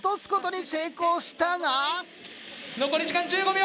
残り時間１５秒。